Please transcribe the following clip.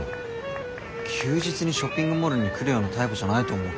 休日にショッピングモールに来るようなタイプじゃないと思うけど。